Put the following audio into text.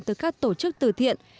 từ các tổ chức từ thiện